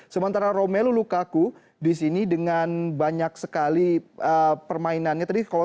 sementara romelu lukaku disini dengan banyak sekali permainannya